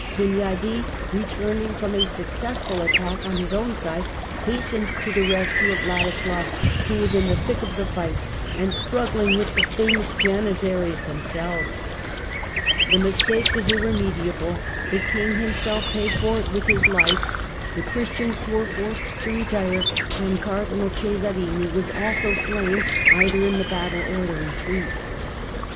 Hunyadi, returning from a successful attack on his own side, hastened to the rescue of Ladislas, who was in the thick of the fight and struggling with the famous Janissaries themselves. The mistake was irremediable. The King himself paid for it with his life, the Christians were forced to retire, and Cardinal Cesarini was also slain either in the battle or the retreat.